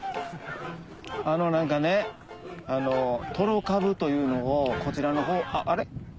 あの何かねあのトロかぶというのをこちらのほうあっあれ？